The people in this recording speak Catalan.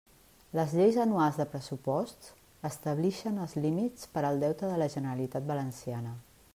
Les lleis anuals de pressuposts establixen els límits per al Deute de la Generalitat Valenciana.